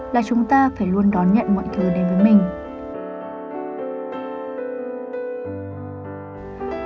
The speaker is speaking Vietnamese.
là chúng ta phải luôn đón nhận mọi thứ đến với mình